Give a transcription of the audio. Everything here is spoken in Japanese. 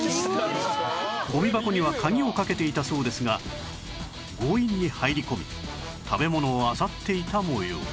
ゴミ箱には鍵をかけていたそうですが強引に入り込み食べ物をあさっていた模様